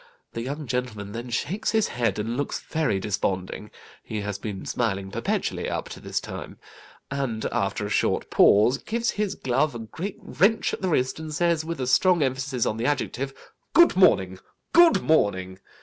The young gentleman then shakes his head, and looks very desponding (he has been smiling perpetually up to this time), and after a short pause, gives his glove a great wrench at the wrist, and says, with a strong emphasis on the adjective, 'Good morning, good morning.